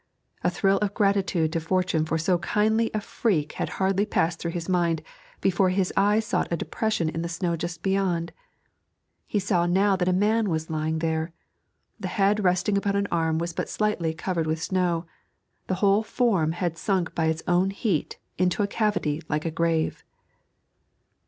A thrill of gratitude to Fortune for so kindly a freak had hardly passed through his mind before his eye sought a depression in the snow just beyond. He saw now that a man was lying there. The head resting upon an arm was but slightly covered with snow; the whole form had sunk by its own heat into a cavity like a grave.